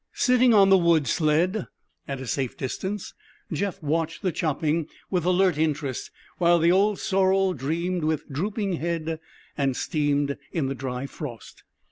Sitting on the wood sled at a safe distance, Jeff watched the chopping with alert interest, while the old sorrel dreamed with drooping head and steamed in the dry frost.